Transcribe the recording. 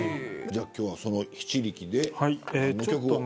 じゃあ、今日はその篳篥で。